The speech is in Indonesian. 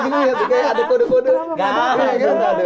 kayak ada kode kode